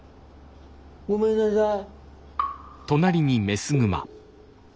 ごめんなさい。